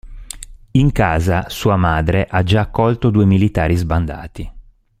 In casa, sua madre ha già accolto due militari sbandati.